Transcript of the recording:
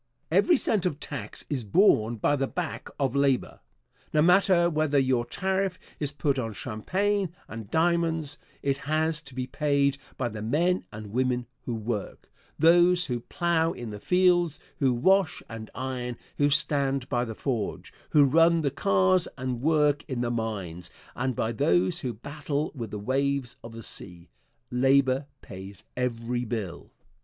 Every cent of tax is borne by the back of labor. No matter whether your tariff is put on champagne and diamonds, it has to be paid by the men and women who work those who plow in the fields, who wash and iron, who stand by the forge, who run the cars and work in the mines, and by those who battle with the waves of the sea. Labor pays every bill.